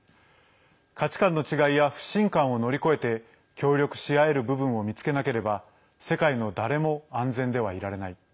価値観の違いや不信感を乗り越えて協力し合える部分を見つけなければ世界の誰も安全ではいられない。